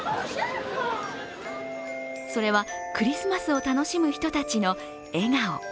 それは、クリスマスを楽しむ人たちの笑顔。